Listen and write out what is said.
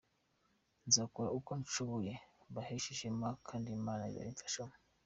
Nzakora uko nshoboye mbaheshe ishema kandi Imana izabimfashamo.